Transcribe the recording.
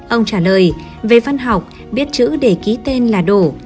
ông trả lời về văn học biết chữ để ký tên là đồ